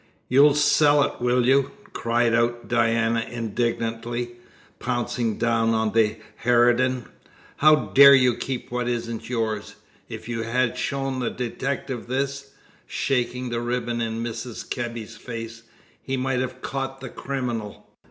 "You'll sell it, will you!" cried out Diana indignantly, pouncing down on the harridan. "How dare you keep what isn't yours? If you had shown the detective this," shaking the ribbon in Mrs. Kebby's face, "he might have caught the criminal!"